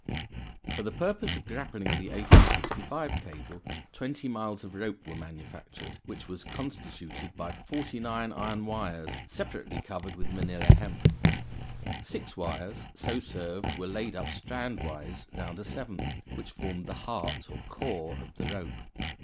For the purpose of grappling the 1865 cable, twenty miles of rope were manufactured, which was constituted by forty nine iron wires, separately covered with manila hemp. Six wires so served were laid up strandwise round a seventh, which formed the heart, or core, of the rope.